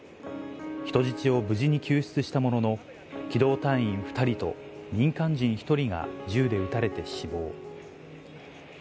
人質を無事に救出したものの、機動隊員２人と民間人１人が銃で撃たれて死亡。